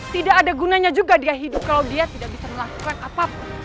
tidak ada gunanya juga dia hidup kalau dia tidak bisa melakukan apapun